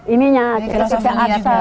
ini yang kita asal